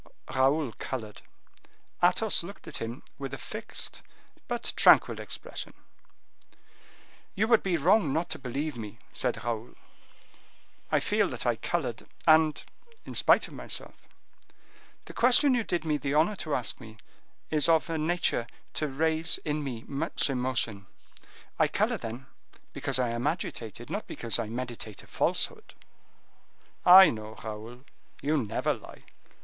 Raoul colored. Athos looked at him with a fixed but tranquil expression. "You would be wrong not to believe me," said Raoul. "I feel that I colored, and in spite of myself. The question you did me the honor to ask me is of a nature to raise in me much emotion. I color, then, because I am agitated, not because I meditate a falsehood." "I know, Raoul, you never lie."